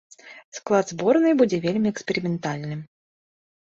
Склад зборнай будзе вельмі эксперыментальным.